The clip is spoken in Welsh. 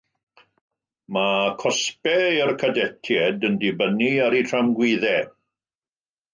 Mae cosbau i'r cadetiaid yn dibynnu ar eu tramgwyddau.